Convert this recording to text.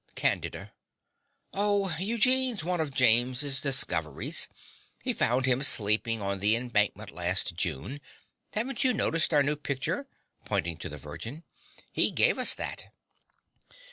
CANDIDA. Oh, Eugene's one of James's discoveries. He found him sleeping on the Embankment last June. Haven't you noticed our new picture (pointing to the Virgin)? He gave us that.